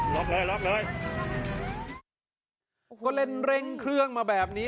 รับเลยรับเลยก็เล่นเร่งเครื่องมาแบบนี้